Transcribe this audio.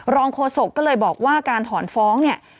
โฆษกก็เลยบอกว่าการถอนฟ้องเนี่ย